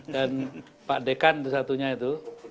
dan pak dekan satu satunya itu